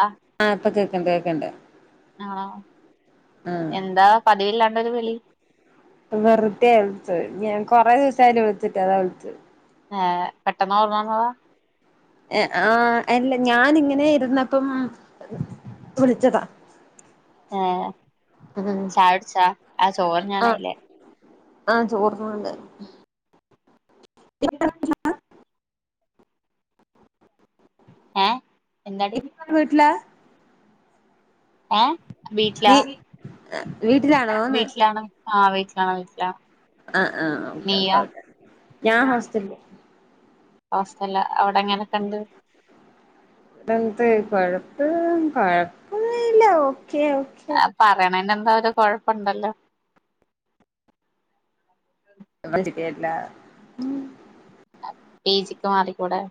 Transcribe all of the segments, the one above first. ആ ആഹ് ഇപ്പൊ കേക്ക്ണ്ട് കേക്ക് ണ്ട്. ആണോ എന്താ പതിവില്ലാണ്ടൊരു വിളി. വെറ്തെ വിൾച്ചെ ഞാൻ കൊറെ ദിവസായിലെ വിളിച്ചിട്ട് അതാ വിളിച്ചത്. ഏഹ് പെട്ടെന്ന് ഓർമ വന്നതാ. എഹ് ആഹ് അല്ല ഞാനിങ്ങനെ ഇര്ന്നപ്പം ആഹ് ഉം ചായുട്ച്ചാ ആ ചോറ് ആഹ് ന്നാനായില്ലേ? ആഹ് ചോറ് തിന്ന്. [unintelligible] ഏഹ് എന്താടി? വീട്ട്ലാ? ഏഹ് വീട്ട്ലാ. നീ വീട്ടിലാണോന്ന് വീട്ടിലാണ് ആഹ് വീട്ട്ലാണ് വീട്ട്ലാണ്. ആഹ് ആഹ് ഓക്കെ കൊഴപ്പല്ല ഞാൻ ഹോസ്റ്റൽല്. ഹോസ്റ്റൽല്ലാ. അവടെങ്ങനെക്കെണ്ട്? ടെന്ത് കൊഴപ്പം കൊഴപ്പൊന്നുല്ല ഓക്കെ ഓക്കെ. ആ പറയണനെന്തൊര് കൊഴപ്പണ്ടല്ലോ. ഞങ്ങള് [unintelligible] ഉം പീ ജിക്ക് മാറിക്കൂടെ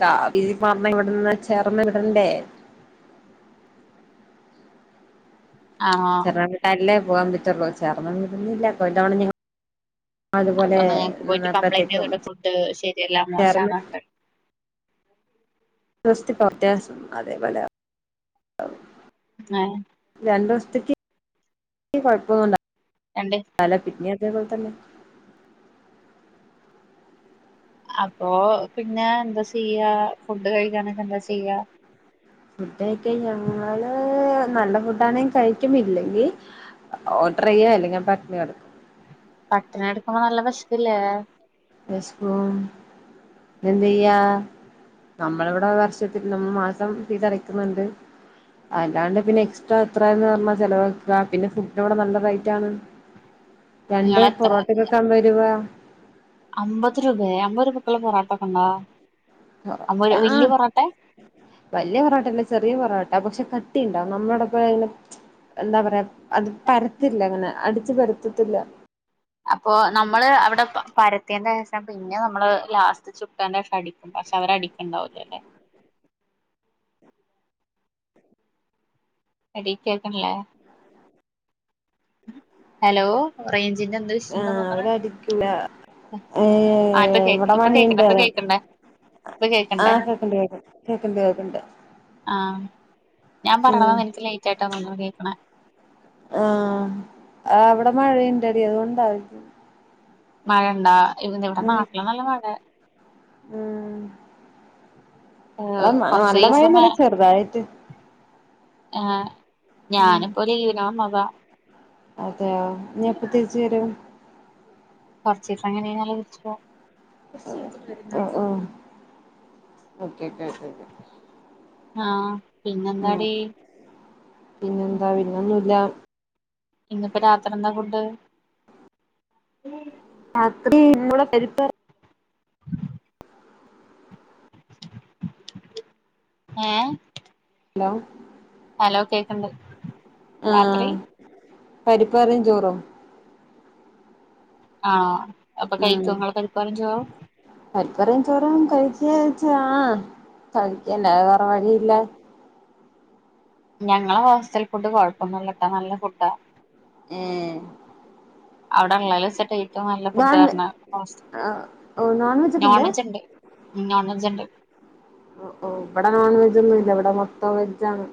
കാ ഇതിപ്പം അമ്മ ഇവിടുന്ന് ചേർന്ന് ഇടണ്ടേ ആണോ [unintelligible] പോവാൻ പറ്റുള്ളു [unintelligible] അതുപോലെ അപ്പൊ നിങ്ങക്ക് പോയിട്ട് കംപ്ലൈന്റ് നിന്നപ്പഴ്ത്തേക്കും ചെയ്തൂടെ ചേ ഫുഡ് ശരിയല്ല ചേർന്ന് മോശാന്നൊക്കെ [unintelligible] അതേപോലെ ആവും ഏഹ് രണ്ടു ദിവസത്തേക്ക് കൊഴപ്പൊന്നുണ്ടാ രണ്ടീ അല്ലാ പിന്നേം അതേപോലെ തന്നെ അപ്പൊ പിന്നെ എന്താ ചെയ്യാ ഫുഡ് കഴിക്കാനൊക്കെ എന്താ ചെയ്യാ? ഫുഡ് കഴിക്കാൻ ഞങ്ങള് നല്ല ഫുഡാണെങ്കി കഴിക്കും ഇല്ലെങ്കി ആഹ് ഓഡറ് ചെയ്യാ അല്ലെങ്കി പട്ട്ണി കെടക്കും പട്ടിണി കെടക്കുമ്പോ നല്ല വെശക്കില്ലേ? വെശക്കും എന്തെയ്യാ നമ്മളിവിടെ വർഷത്തിൽ നമ് മാസം ഫീസടയ്ക്കുന്ന്ണ്ട് അല്ലാണ്ട് പിന്നെ എക്സ്ട്രാ എത്രയാന്ന് പറഞ്ഞാ ചെലവാക്കാ പിന്നെ ഫുഡിനിവടെ നല്ല റെയ്റ്റാണ്. രണ്ട് നിങ്ങളെത്ര പൊറോട്ടക്കൊക്കെ അമ്പത് രൂപാ അമ്പത് രൂപേ അമ്പത് രൂപക്കുള്ള പൊറോട്ടക്കെ ഇണ്ടോ [unintelligible] ആഹ് വല്ല്യ പൊറോട്ടയല്ലാ ചെറിയ പൊറാട്ട പക്ഷെ കട്ടിയിണ്ടാവും നമ്മളെ [unintelligible] എന്താ പറയാ അത് പരത്തില്ലാ അങ്ങനെ അടിച്ച് പരത്തത്തില്ലാ അപ്പൊ നമ്മള് അവടെ പ പരത്തിയേന്റെ ശേഷം പിന്നെയാ നമ്മള് ലാസ്റ്റ് ചുട്ടേൻ്റേഷം അടി പക്ഷെ അവരടിക്കെണ്ടാവൂലാല്ലേ എഡീ കേൾക്ക്ണില്ലേ ഹലോ റേഞ്ചിന്റെ എന്ത് ആഹ് ഇഷ്യൂണ്ടെന്ന് തോന്നണ് അവരടിക്കൂലാ ആ ഇപ്പൊ ഏഹ് കേക്ക് ഇവടെ ഇപ്പൊ കേക്കണ്ട് മഴയ്ണ്ട് ഇപ്പൊ കേക്കണ്ടേ [unintelligible] ഇപ്പൊ കേക്കണ്ടേ ആഹ് കേക്ക്ണ്ട് കേക്ക്ണ്ട് കേക്ക്ണ്ട് കേക്ക്ണ്ട് ആഹ് ഞാൻ പറയണത് ഉം നിനക്ക് ലെയിറ്റായിട്ടാ തോന്നണു കേക്കണെ ആഹ് ആഹ് ഇവടെ മഴയിണ്ടെടീ അതുകൊണ്ടാ മഴയിണ്ടാ ഇതിനിവിടെ ഉം നാട്ടില് നല്ല മഴെയാ ഉം ആഹ് ന നല്ല മഴയൊന്നുല്ലാ ചെറ്തായിട്ട് ആഹ് ഉം ഞാനിപ്പം ലീവിന് വന്നതാ അതെയോ ഇനിയെപ്പം തിരിച്ചു വെരും? കൊർച്ചീസം കഴിഞ്ഞ് കഴിഞ്ഞാലേ തിരിച്ച് പോവും ഉം ഉം ഉം ഓക്കെ ഓക്കെ ഓക്കെ ആഹ് ഉം പിന്നെന്താടി പിന്നെന്താ പിന്നൊന്നുല്ലാ ഇന്നിപ്പം രാത്രി എന്താ ഫുഡ്? രാത്രി ഇന്നലെ പരിപ്പ് കറി ഏഹ് ഹലോ ഹലോ കേക്ക്ണ്ട് രാത്രി ആഹ് പരിപ്പ് കറിയും ചോറും ആഹ് അപ്പൊ കഴിക്കോങ്ങള് പരിപ് കറിം ചോറും പരിപ് കറിയും ചോറും കഴിക്കോയ്ച്ച ആഹ് കഴിക്കല്ലാതെ വേറെ വഴിയില്ല ഞങ്ങളെ ഹോസ്റ്റൽ ഫുഡ് കൊഴപ്പൊന്നുല്ലട്ടോ നല്ല ഫുഡാ ഏഹ് അവിടെള്ളേല് വെച്ട്ടെയ് ഏറ്റവും നല്ല നോൺ വെ ഫുഡർഞാ ബ്രോസ്റ്റ് ആഹ് ഓഹ് ഒക്കെ നോൺ ഉണ്ട് വെജ് ഇണ്ട് മ്മ് നോൺ വെജ് ഇണ്ട് ഓ ഓ ഇവടെ നോൺ വെജൊന്നും ഇല്ല ഇവടെ മൊത്തം വെജാണ്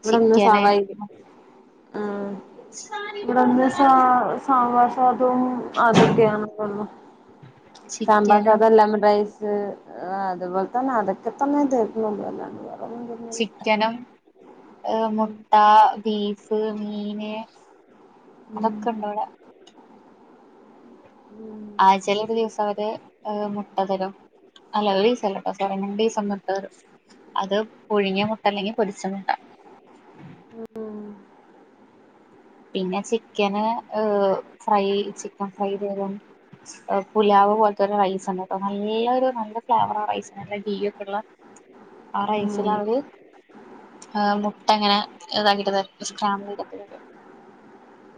ഇവടെന്ന് ചിക്കന് സധായിരി ആഹ് [unintelligible] അതൊക്കെയ സാമ്പാർ ചിക്കനും സാധ ലെമൺ റൈസ് ആ അതുപോലെ തന്നെ അതൊക്കെ തന്നെ തെര്ണൊള്ളു അല്ലാണ്ട് വേറെ ചിക്കനും ഏഹ മുട്ട ബീഫ് മീന് ഉം അതൊക്കെ ണ്ട് വടെ ഉം ആഴ്ചേല് ഒരു ദിവസം അവര് ഏഹ മുട്ട തരും അല്ല ഒരീസല്ലട്ടൊ സോറി രണ്ടീസം മുട്ട തെരും അത് പുഴുങ്യെ മുട്ട അല്ലെങ്കി പൊരിച്ച മുട്ട ഉം പിന്നെ ചിക്കന് ഹ് ഫ്രൈ ചിക്കൻ ഫ്രൈ തെരും ചിക്കൻപുലാവ് പോലത്തെരു റൈസ് ഉണ്ട് നല്ലൊരു നല്ല ഫ്ലേവറ ആ റൈസിന് നല്ല ഗീ ഒക്കെള്ള ആ റൈസിൽ അവര് മുട്ട ങ്ങനെ ഇതാക്കിട്ട് തെരും സ്ക്രാമ്പീത്ട്ട്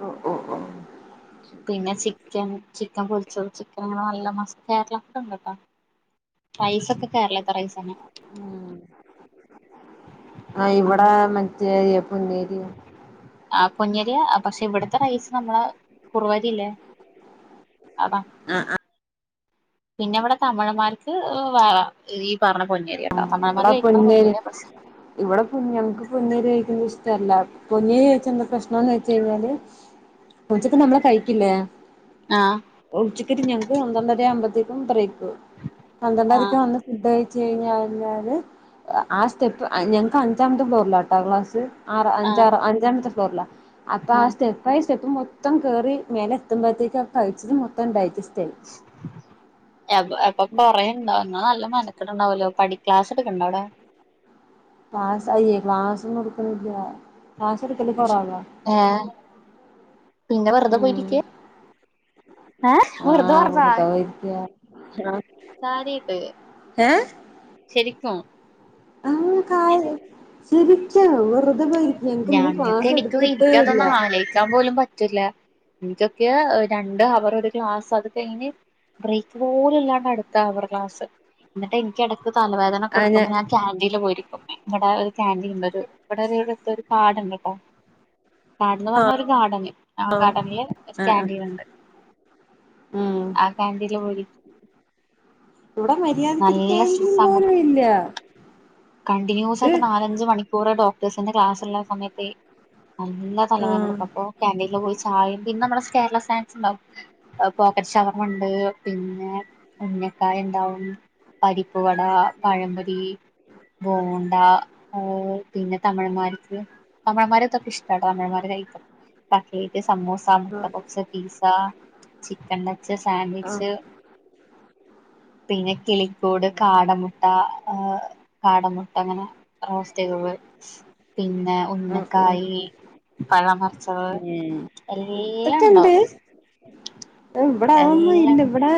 ഓഹ ഓഹ ഓഹ പിന്നെ ചിക്കൻ ചിക്കൻ പൊരിച്ചതും ചിക്കൻ അങ്ങനെ നല്ല മസ്റ്റായിട്ടുള്ള ഒക്കെ ണ്ട് ട്ടാ റൈസ് ഒക്കെ കേരളത്തെ റൈസ് തന്നെ ആഹ ഇവടെ മറ്റെ പ്പൊന്നരി ആ പൊന്നരി പക്ഷെ ഇവിടത്തെ റൈസ് നമ്മള കുർവരില്ലേ അതാ ആഹ ആഹ് പിന്നെ ഇവിടെ തമിഴന്മാർക്ക് വേ ഈ പറഞ്ഞ പൊഞ്ഞരിയാണ് ഇവടെ പൊന്ന അരിഇവിടെ ഞങ് ക്ക് പൊന്നയ്രി കയ്ക്ക്ണത് ഇഷ് ഷ്ടല്ല പൊന്നെ യ്രി കയ്ച്ച എന്താ പ്രശ്നംന്ന് വെച്ചയ്ഞാല് ഉച്ചക്ക് നമ്മള് കഴിക്കില്ലേ ആഹ് ഉച്ചക്ക് ഞങ്ങക്ക് പന്ത്രണ്ടര ആവുമ്പത്തേക്കും ബ്രേക്ക് പന്ത്രണ്ടരക്ക് ആഹ് വന്ന് ഫുഡ്‌ കയ്ച്ചു കഴിഞഞ്ഞാല് ആ സ്റ്റെപ്പ് ഞങ്ങക്ക് അഞ്ചാമത്തെ ഫ്ലോറിലാണ് ട്ടാ ക്ലാസ് ആറ് അഞ്ചാ ആഹ് അഞ്ചാമത്തെ ഫ്ലോറില അപ്പ ആ ആഹ് സ്റ്റെപ് പ്പായ സ്റ്റെപ്പ് മൊത്തം കേറി മേലെത്ത്മ്പോത്തേക്ക ആ കഴിച്ചത് മൊത്തം ഡൈജസ്റ്റ് ആയി അപ്പൊ കൊറേ ണ്ടാവും നല്ല മെനക്കട് ണ്ടാവല്ലോ പടി ക്ലാസ് ട്ക്കണ്ടോ അവിടെ ക്ലാസ് അയ്യേ ക്ലാസ് ഒന്നുംട്ക്ക്ണില്ല ക്ലാസ് ട്ക്കല് കൊറവാ ഏഹ് പിന്നെ വെറുതെ ഉം പോയിര്ക്കാ ഏ ഹ വെറുതെ പറഞ്ഞാ പോയിരിക്ക ഹലോ കാര്യായിട്ട് ശെരിക്കും ആഹ് കാര്യം ശെരിക്കും വെറുതെ പോയിരിക്കും ഞങ്ങക്ക്ന്ന് ക്ലാസ്സ്‌ എടുത്തിട്ടേ ഇല്ല കഴിക്കാൻ പോലും പറ്റില്ല എനിക്കൊക്കെ രണ്ട് ഹവർ ഒരു ക്ലാസ്സ്‌ അത് കഴിഞ് ബ്രേക്ക് പോലുല്ലാണ്ട് അട്ത്ത ഹവർ ക്ലാസ് ന്നിട്ട് എനിക്കെടക്ക് തലവേദന നൊക്കെ ട്ക്കുമ്പോ ഞാൻ കാന്റീൽ പോയിരിക്കും ഇവിടെ ഒരു കാൻറീൻണ്ട് ഇവിടെ ഒരുവി ഒരു പാടണ്ട്ട്ടൊ പാടം ന്ന് പർഞ്ഞ ഒരു ഗാർഡന് ആ ഗാർഡനില് ആഹ് കാന്റീൻണ്ട് ഉം ആ ക്യാന്റീനിൽ പോയിരിക്കും ഇവടെ മര്യാദക്കൊരു നല്ല ക്യാന്റീൻ സ്ട്രെസ് ആകും പോലും ഇല്ല കണ്ടിന്യൂസ് ഇത് ആയിട്ട് നാലഞ്ച് മണിക്കൂറ് ഡോക്ടേഴ്സിന്റെ ക്ലാസ് ള്ള സമയത്ത് നല്ല ആഹ് തലവേനട്ക്കും അപ്പൊ കാന്റീനിൽ പോയി ചായയും പിന്നെ നമ്മടെ കേരള സ്നാക്സ് ണ്ടാവും പോക്കറ്റ് ഷവർമണ്ട് പിന്നെ ഉഞ്ഞക്കായ ണ്ടാവും പരിപ്പുവട പഴമ്പൊരി ബോണ്ട ഓ പിന്നെ തമിഴന്മാര്ക് തമിഴമാര്തൊക്കെ ഇഷ്ടട്ടോ തമിഴമാര് കടി കട്ട്ലേറ്റ് സമൂസ മുട്ട ആഹ് പപ്പ്സ് പിസ ചിക്കൻ ടച്ച് ആഹ് സാൻവിച്ച് പിന്നെ കിളികൂട് കാടമുട്ട ഏഹ്.. കാടമുട്ട ങ്ങനെ റോസ്റ്റിയ് തത്. പിന്നെ ആഹ് ഓഹ് ഉന്നക്കായി പഴന്നറച്ചത് ഏഹ് എല്ല ണ്ടാവു. ഇവടെ അതൊന്നും ഇല്ല എല്ലാം ഇവിടെ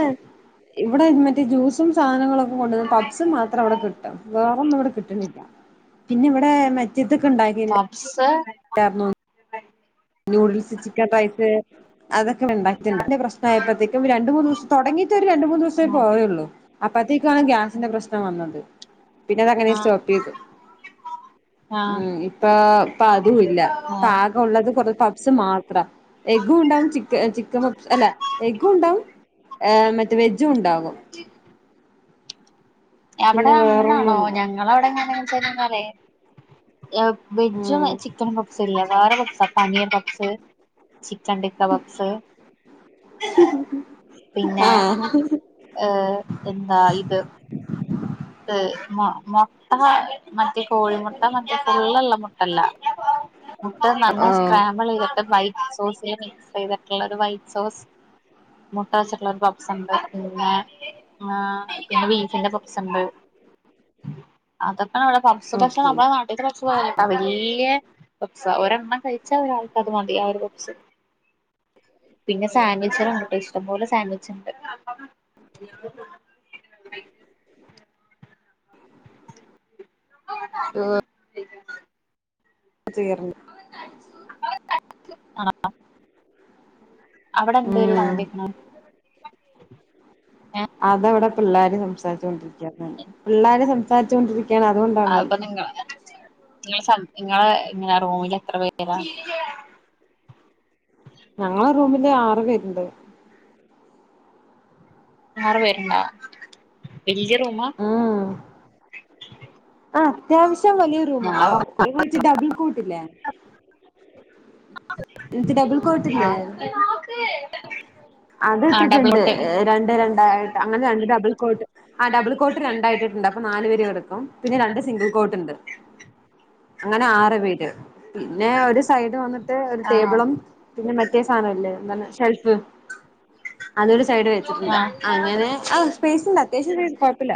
ഇവിടെ മറ്റേ ജ്യൂസും സാധനങ്ങളൊക്കെ കൊണ്ടുന്ന് പപ് സ് മാത്രം വടെ കിട്ടും വേറൊന്നും ഇവടെ കിട്ട്ണില്ല പിന്നെ ഇവടെ മറ്റേതെക്കെ ണ്ടാക്കിണ്ട് പപ്സ് [inaudible] നൂഡിൽസ് ചിക്കൻ റൈറ്റ് അതൊക്കെ ണ്ടാക്ക്ണ്ട് വെല്ല്യ പ്രശ്നായപ്പോഴ്ത്തേക്ക് രണ്ട് മൂന്ന് ദിസം തോടങ്ങിട്ട് ഒരു രണ്ട് മൂന്ന് ദിവസേ ആഹ് പോയുള്ളൂ. അപ്പത്തേക്കാണ് ഗ്യാസിന്റെ പ്രശ്നം വന്നത് പിന്നെ അതങ്ങനെ സ്റ്റോപ്പ് യ്ത്. ആഹ് ഉം ഇപ്പ ഇപ്പ അതും ഇല്ല ആഹ് പാകൊള്ളത് കൊറ പപ്സ് മാത്ര എഗ്ഗും ണ്ടാവും ചിക്കൻ പപ്സ് അല്ല എഗും ണ്ടാവു ഏഹ് മറ്റേ വെജും ണ്ടാകും. അവടെ പിന്നെ അങ്ങനാണോ വേറൊന്നുല്ല ഞങ്ങളവടെ എങ്ങനന്ന് വെച്ചു കഴിഞ്ഞാലേ ല വെജും ഉം ചിക്കൻ പപ്സും ഇല്ല വേറെ പപ്സാ paneer puffs chicken tikka puffs പിന്നെ ആഹ് ഏഹ് എന്താ ഇത്. ത് മൊട്ട മറ്റേ കോഴിമൊട്ട മറ്റേ ഫുള്ള്ള്ള മൊട്ടല്ല. മുട്ട നന്നായി ആഹ് സ്ക്രാബിൾ യ്തിട്ട് വൈറ്റ് സോസ് മിക്സ് യ്ത്ട്ട്ള്ള ഒരു വൈറ്റ് സോസ് മുട്ട വെച്ചിട്ടുള്ളൊരു പപ്സ് ണ്ട് പിന്നെ പിന്നെ ബീഫിന്റെ പപ്സ് ണ്ട്. അതൊക്കെ ഇവടെ പപ്സ് പക്ഷെ ഓക്കെ നമ്മടെ നാട്ട് നാട്ടിലത്തെ പപ്സ് പോലല്ലട്ടാ വെല്ല്യ പപ്സ ഒരെണ്ണം കയ്ചാ ഒരാൾക്ക് അത് മതി ആവും ആ ഒരു പപ്സ്. പിന്നെ സാൻവിച്ചറാണ് പ്പോ ഇഷ്ടംപോലെ സാൻവിച്ച് ണ്ട്. [inaudible] പിന്നെ ചെയ്യറ്ണ്ട്. അവടെ എന്ധോര് ഉം സൗണ്ടേക്ണ് അത് വടെ പിള്ളേര് സംസാര്ചോ ണ്ടിരിക്കാണ് പിള്ളേര് സംസാരിചോ ണ്ടിരിക്കാണ് അതുകൊണ്ടാണ്. അപ്പൊ നിങ്ങളെ ഇങ്ങളെ റൂമില് എത്ര പേരാ? ഞങ്ങളെ റൂമില് ആറ് പേര്ണ്ട്. ആറ് പേര്ണ്ടാ വെല്ല്യ റൂമാ? ഉം ആഹ് അത്യാവശ്യം വലിയ റൂമാ ഞങ്ങളെ റൂം വച്ച് ഡബിൾ കോട്ടില്ലേ? എന്നിട്ട് ഡബിൾ കോട്ടില്ലേ ആഹ് അത് ആഹ് ഡബിൾ ഇട്ടിട്ട്ണ്ട് കോട്ട് രണ്ട് രണ്ടായിട്ട് അങ്ങനെ രണ്ട് ഡബിൾ കോട്ട് ആ ഡബിൾ കോട്ട് രണ്ടായിട്ടിട്ട്ണ്ട് അപ്പൊ നാല് പേര് കെടക്കും പിന്നെ രണ്ട് സിംഗിൾ കോട്ട്ണ്ട്. അങ്ങനെ ആറ് പേര് പിന്നെ ഒരു സൈഡ് വന്നിട്ട് ഒരു ആഹ് ടേബിളും പിന്നെ മറ്റേ സാനംല്ലേ എന്തണ് ഷെൽഫ്. അതൊരു സൈഡ് വെച്ചിട്ട്ണ്ട് അങ്ങനെ ആ സ്പേസ്ണ്ട് അത്യാവശ്യം ആഹ് സ്പെ കൊഴപ്പല്ല.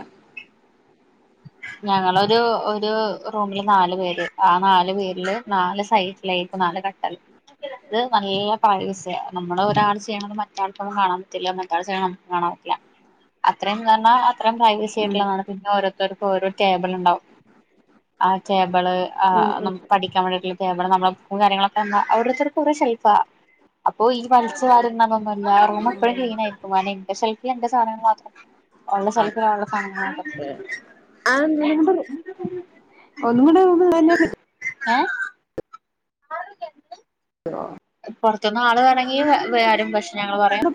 ഞങ്ങളൊരു ഒരു റൂമില് നാല് പേര് ആ നാലു പേരില് നാല് സൈ [unintelligible] നാല് കട്ടൽ ഇത് നല്ല പാരസ്യ നമ്മള് ഒരാൾ ചെയ്യണത് മറ്റാൾക്കൊന്നും കാണാൻ പറ്റില്ല മറ്റാൾ ചെയ്യണ കാണാ പറ്റ്ല്ല അത്രയും ന്നർഞാ അത്രയും പ്രൈവസി ഉം ആയിട്ടുള്ളതാണ് പിന്നെ ഓരോര്ത്തര് ഓരോ ടേബിള് ണ്ടാവു. ആഹ് റ്റെബള് ഉം ആഹ് ഉം നമുക്ക് പഠിക്കാ വേണ്ടീട്ടുള്ള ടെബിള് നമ്മളെ ബുക്കും കാര്യങ്ങളൊക്കൊന്നർഞാ ഓരോരുത്തർക് ഓരോ ഷെൽഫ. അപ്പൊ ഈ വലിച് വാരുന്നൊന്നുന്നല്ല റൂം എപ്പഴും ക്ലീൻ ആയിരിക്കും ആനെ എന്റെ സെൽഫി എന്റെ സാധനങ്ങൾ മാത്രം ഉള്ള സ്ഥലത്ത് ആഹ് ഒള്ള സാനങ്ങളക്കെ ആഹ് [unintelligible] ഒന്നും കൂടെ റൂമിൽ ഉണ്ടായിരുന്ന കിട്ടും ഏഹ് [unintelligible] പൊറത്തുന്ന് ആള് വേണെങ്കി [unintelligible] പക്ഷെ ഞങ്ങള് പറയും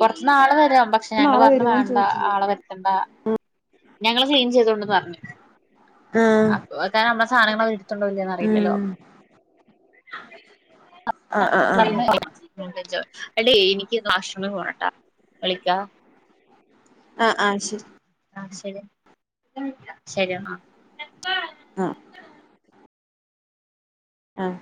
പുറത്തുന്ന് ആള് വരാം പക്ഷെ പുറത്തുന്ന് ഞങ്ങള് ആളെ പറഞ്ഞു വരുമോന്ന് വേണ്ട ചോദിച്ചത് ആളെ വര്ത്തണ്ട ഞങ്ങള് സെയിം ചെയ്തോണ്ടന്ന് പറഞ്ഞു ആഹ് അപ്പൊ തെ നമ്മെ സാനങ്ങൾ എടുത്ണ്ടോല്ലന്ന് അറിയില്ലല്ലോ ഉം [inaudible] ആഹ് ആഹ് ആഹ് [inaudible] ആഹ് ആഹ് ശരി ആഹ് ശരി ശരിഎന്നാ ആഹ് ആഹ്